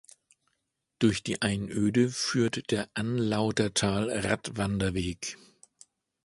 Durch die Einöde führt der Anlautertal-Radwanderweg.